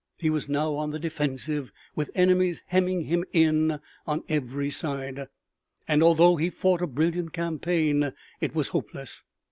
He was now on the defensive with enemies hemming him in on every side, and although he fought a brilliant campaign it was hopeless.